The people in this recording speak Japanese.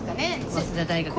早稲田大学で。